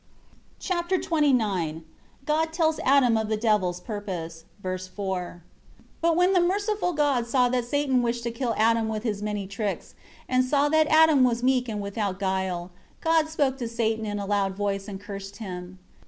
Chapter XXIX God tells Adam of the Devil's purpose. (v. 4). 1 But when the merciful God saw that Satan wished to kill Adam with his many tricks, and saw that Adam was meek and without guile, God spoke to Satan in a loud voice, and cursed him.